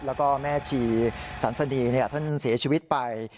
แล้วก็แม่ชีสันสดีท่านเสียชีวิตไป